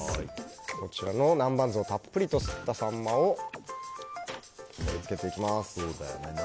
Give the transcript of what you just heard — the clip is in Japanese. こちらの南蛮酢をたっぷりと吸ったサンマを盛り付けていきます。